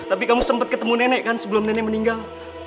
tapi kamu sempat ketemu nenek kan sebelum nenek meninggal